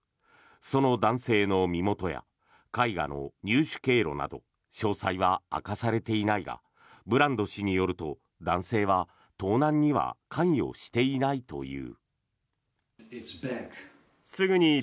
その男性の身元や絵画の入手経路など詳細は明かされていないがブランド氏によると男性は盗難には関与していないという。